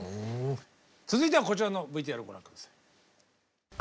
続いてはこちらのＶＴＲご覧下さい。